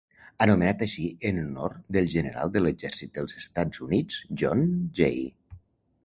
Anomenat així en honor del General de l'Exèrcit dels Estats Units John J.